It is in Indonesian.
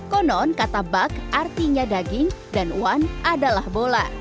konon kata bak artinya daging dan wan adalah bola